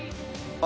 あ